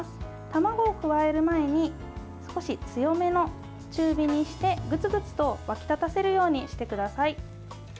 卵を加える前に少し強めの中火にしてグツグツと沸き立たせるようにしてください。